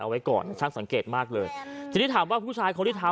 เอาไว้ก่อนช่างสังเกตมากเลยทีนี้ถามว่าผู้ชายคนที่ทำ